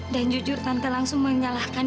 dan jujur tante langsung menyalahkan